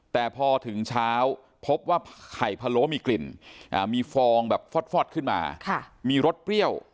แต่พอถึงเช้าพบว่าไข่พะโล้มีกลิ่นมีฟองแบบฟอดขึ้นมามีรสเปรี้ยว